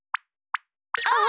あっ！